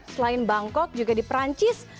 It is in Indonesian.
selain bangkok juga di perancis